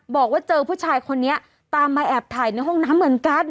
บอกว่าเจอผู้ชายคนนี้ตามมาแอบถ่ายในห้องน้ำเหมือนกัน